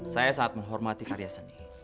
saya sangat menghormati karya seni